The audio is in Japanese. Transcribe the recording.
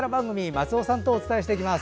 松尾さんとお伝えします。